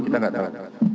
kita gak tahu